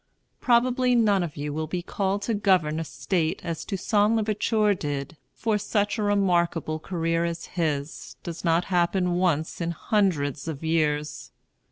Probably none of you will be called to govern a state as Toussaint l'Ouverture did; for such a remarkable career as his does not happen once in hundreds of years.